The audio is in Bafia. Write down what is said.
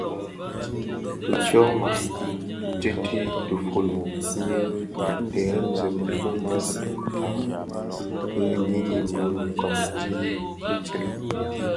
Bi tyoma tïti dhifuli nyi dhemzi mëkuu më bïtoki tara bi ňyinim bë nkoomen bii bë tsilag.